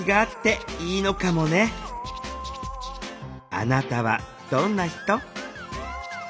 あなたはどんな人？